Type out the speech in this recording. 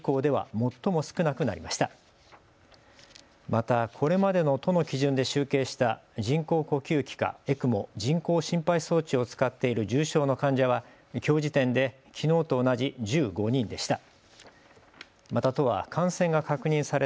また、これまでの都の基準で集計した人工呼吸器かＥＣＭＯ・人工心肺装置を使っている重症の患者はきょう時点できのうと同じ１５人でした。